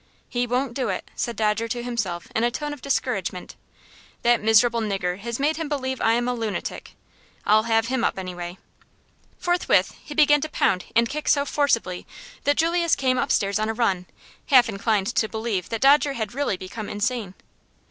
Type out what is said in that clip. "He won't do it!" said Dodger to himself, in a tone of discouragement. "That miserable nigger has made him believe I am a lunatic. I'll have him up, anyway." Forthwith he began to pound and kick so forcibly, that Julius came upstairs on a run, half inclined to believe that Dodger had really become insane.